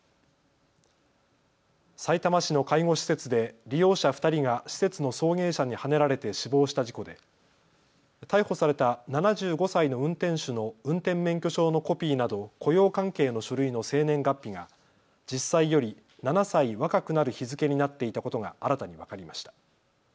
さいたま市の介護施設で利用者２人が施設の送迎車にはねられて死亡した事故で逮捕された７５歳の運転手の運転免許証のコピーなど雇用関係の書類の生年月日が実際より７歳若くなる日付になっていたことが新たに分かりました。